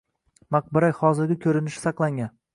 Maqbara hozirgi ko‘rinishi saqlangan.